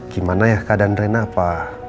gimana ya keadaan rena apa